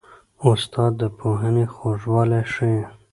استاد د پوهنې خوږوالی ښيي.